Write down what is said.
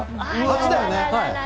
初だよね？